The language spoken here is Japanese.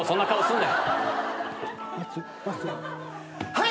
はい！